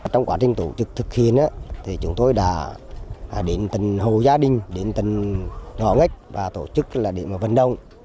trong quá trình tổ chức thực hiện chúng tôi đã điện tình hồ gia đình điện tình họ nghếch và tổ chức điện vận động